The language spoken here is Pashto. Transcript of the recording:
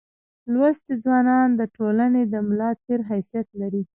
لوستي ځوانان دټولني دملا دتیر حیثیت لري.